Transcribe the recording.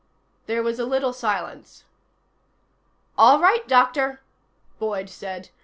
There was a little silence. "All right, Doctor," Boyd said.